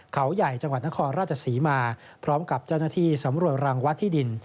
เขาใหญ่จังหวัดนครราชศรีมาพร้อมกับเจ้าหน้าที่สำรวจรังวัดที่ดิน